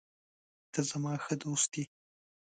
ته زما ښه دوست یې.